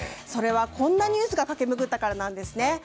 それはこんなニュースが駆け巡ったからなんですね。